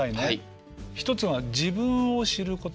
一つが自分を知る言葉。